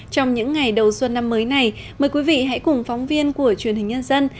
trong những ngày đầu xuân năm mới này mời quý vị hãy cùng phóng viên của truyền hình nhân dân